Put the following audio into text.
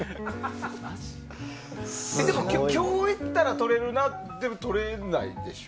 でも今日行ったら撮れるといっても撮れないでしょ。